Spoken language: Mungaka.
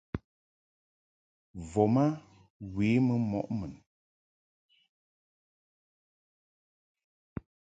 Voma we mɨ mɔʼ mun.